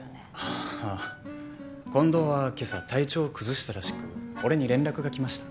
あ近藤は今朝体調を崩したらしく俺に連絡が来ました。